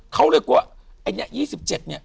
เขาเลยกลัวว่าอันนี้๒๗